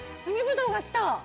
海ぶどうが来た。